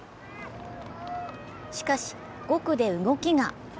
しかし５区で動きが。